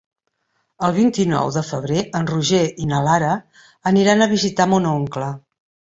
El vint-i-nou de febrer en Roger i na Lara aniran a visitar mon oncle.